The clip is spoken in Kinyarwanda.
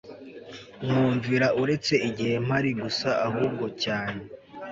mwumvira uretse igihe mpari gusa ahubwo cyane